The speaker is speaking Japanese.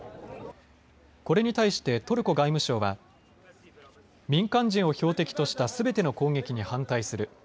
これに対してトルコ外務省は民間人を標的としたすべての攻撃に反対する。